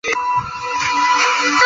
世界各地的战况均有利于轴心国。